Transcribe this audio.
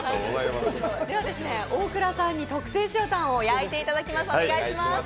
大倉さんに特製塩タンを焼いていただきます。